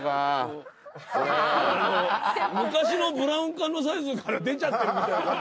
昔のブラウン管のサイズから出ちゃってるみたいな感じ。